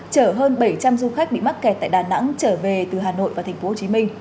chở hơn bảy trăm linh du khách bị mắc kẹt tại đà nẵng trở về từ hà nội và tp hcm